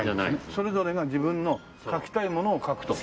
それぞれが自分の書きたいものを書くと。